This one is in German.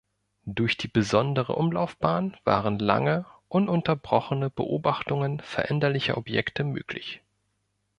Durch die besondere Umlaufbahn waren lange, ununterbrochene Beobachtungen veränderlicher Objekte möglich.